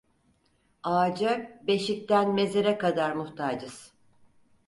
Ağaca beşikten mezara kadar muhtacız.